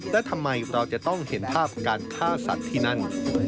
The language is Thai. และทำไมเราจะต้องเห็นภาพการฆ่าสัตว์ที่นั่น